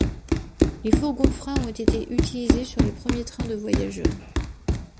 Les fourgons-frein ont été utilisés sur les premiers trains de voyageurs.